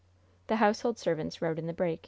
The household servants rode in the break.